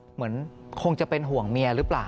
เหมือนคงจะเป็นห่วงเมียหรือเปล่า